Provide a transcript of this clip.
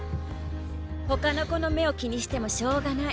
ほかの子の目を気にしてもしょうがない。